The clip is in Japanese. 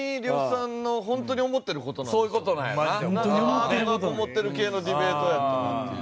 ハートがこもってる系のディベートやったなっていう。